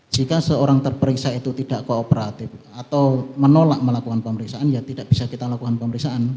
jika seorang terperiksa itu tidak kooperatif atau menolak melakukan pemeriksaan ya tidak bisa kita lakukan pemeriksaan